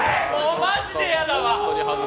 マジで嫌だわ！